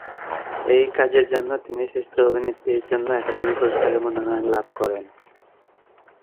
এই কাজের জন্য তিনি শ্রেষ্ঠ অভিনেত্রীর জন্য একাডেমি পুরস্কারের মনোনয়ন লাভ করেন।